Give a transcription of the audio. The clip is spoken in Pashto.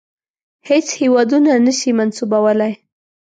هیڅ هیواد نه سي منسوبولای.